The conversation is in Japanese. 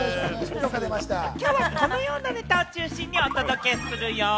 きょうはこのようなネタを中心にお届けするよ。